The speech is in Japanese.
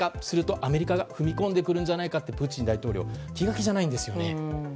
すると、アメリカが踏み込んでくるんじゃないかとプーチン大統領気が気じゃないんですよね。